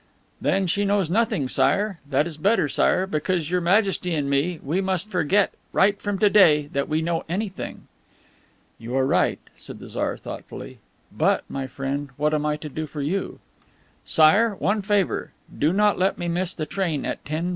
"Then she knows nothing, Sire. That is better, Sire, because Your Majesty and me, we must forget right from to day that we know anything." "You are right," said the Tsar thoughtfully. "But, my friend, what am I to do for you?" "Sire, one favor. Do not let me miss the train at 10:55."